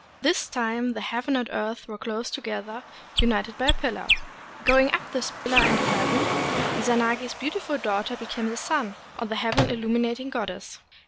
At this time the heaven and earth were close together, united by a pillar. Going up this pillar into heaven, Izanagi's beautiful daughter became the sun, or the Heaven illuminating Goddess.